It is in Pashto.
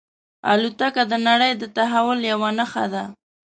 الوتکه د نړۍ د تحول یوه نښه ده.